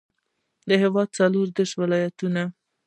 د هېواد څلوردېرش ولایتونه.